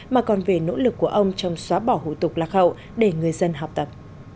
mà còn về nỗ lực của ông trong xóa bỏ hủ tục lạc hậu để người dân học tập